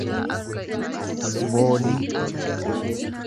voolii